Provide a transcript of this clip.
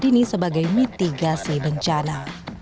ini sebagai mitigasi bencana